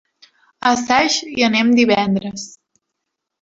A Saix hi anem divendres.